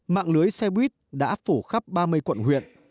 mạng lưới xe buýt đã phủ khắp ba mươi quận huyện